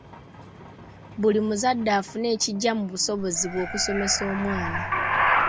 Buli muzadde afune ekigya mu busobozi bwe okusomesa omwana.